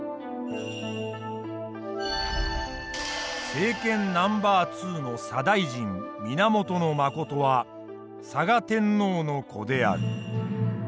政権ナンバー２の左大臣源信は嵯峨天皇の子である。